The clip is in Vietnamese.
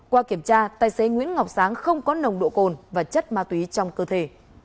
qua kiểm tra tài xế nguyễn ngọc sáng không có nồng độ cồn và chất ma túy trong cơ thể